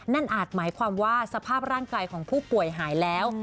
อาจหมายความว่าสภาพร่างกายของผู้ป่วยหายแล้ว